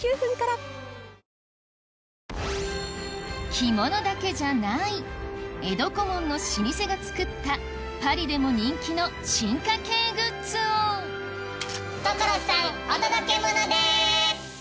着物だけじゃない江戸小紋の老舗が作ったパリでも人気の進化系グッズを所さんお届けモノです！